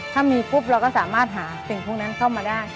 ถ้ามีปุ๊บเราก็สามารถหาสิ่งพวกนั้นเข้ามาได้